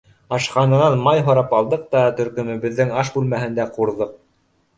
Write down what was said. Ашхананан май һорап алдыҡ та, төркөмөбөҙҙөң аш бүлмәһендә ҡурҙыҡ.